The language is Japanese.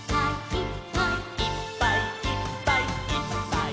「いっぱいいっぱいいっぱいいっぱい」